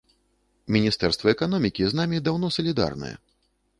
Міністэрства эканомікі з намі даўно салідарнае.